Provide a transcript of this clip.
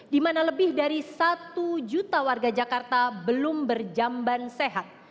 di mana lebih dari satu juta warga jakarta belum berjamban sehat